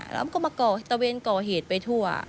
แล้วมันก็มาก่อตะเวนก่อเหตุไปทั่ว